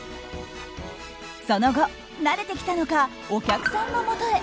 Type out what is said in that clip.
その後、慣れてきたのかお客さんのもとへ。